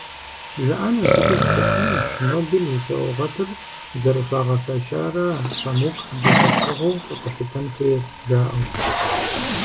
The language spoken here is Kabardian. ЖаӀэнущ, икӀи зэхэпхынущ, Нобель и саугъэтыр зэрыхуагъэфэщара Памук ди лъэпкъэгъуу къыщӀэтлъытэн хуейр, жаӀэу.